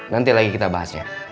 nanti lagi kita bahas ya